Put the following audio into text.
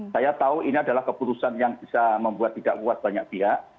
saya tahu ini adalah keputusan yang bisa membuat tidak kuat banyak pihak